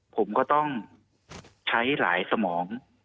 ผมก็ต้องใช้หลายสมอง